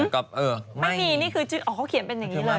ไม่มีนี่คือเขาเขียนเป็นอย่างนี้เลย